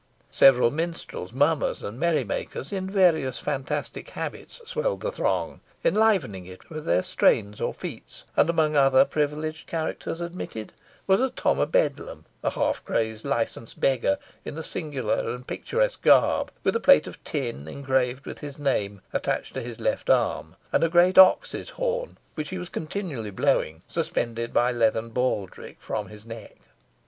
Several minstrels, mummers, and merry makers, in various fantastic habits, swelled the throng, enlivening it with their strains or feats; and amongst other privileged characters admitted was a Tom o' Bedlam, a half crazed licensed beggar, in a singular and picturesque garb, with a plate of tin engraved with his name attached to his left arm, and a great ox's horn, which he was continually blowing, suspended by a leathern baldric from his neck.